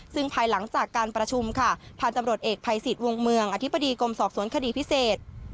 ซึ่งภายหลังจากการประชุมค่ะพันธุ์ตำรวจเอกภัยสิทธิ์วงเมืองอธิบดีกรมสอบสวนคดีพิเศษ